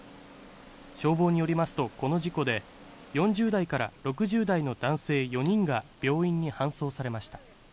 消防によりますと、この事故で４０代から６０代の男性４人が病院に搬送されました。